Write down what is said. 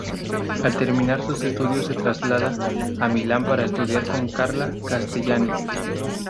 Al terminar sus estudios se traslada a Milán para estudiar con Carla Castellani.